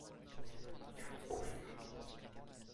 jan Kulija o.